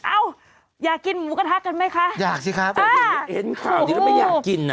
อ้าวอยากกินหมูกระทะกันไหมคะอยากสิครับอยากกิน